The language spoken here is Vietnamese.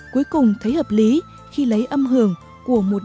cuối cùng thấy hợp lý khi lấy âm hưởng của một bài hát